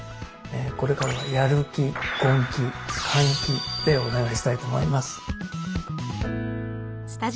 これからはやる気根気換気でお願いしたいと思います。